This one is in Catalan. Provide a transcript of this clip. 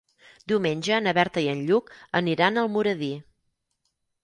Diumenge na Berta i en Lluc aniran a Almoradí.